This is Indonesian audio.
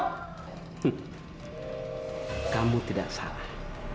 hmph kamu tidak salah